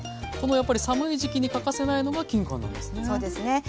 このやっぱり寒い時期に欠かせないのがきんかんなんですね。